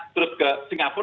terus ke singapura